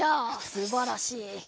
すばらしい。